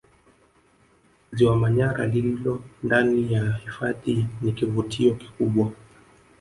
Ziwa Manyara lililo ndani ya hifadhi ni kivutio kikubwa